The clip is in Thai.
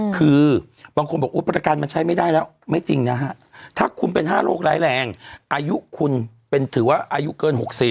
คือบางคนบอกประกันมันใช้ไม่ได้แล้วไม่จริงนะฮะถ้าคุณเป็น๕โรคร้ายแรงอายุคุณถือว่าอายุเกิน๖๐